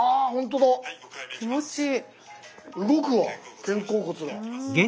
もう気持ちいい。